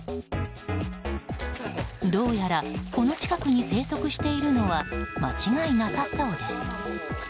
どうやらこの近くに生息しているのは間違いなさそうです。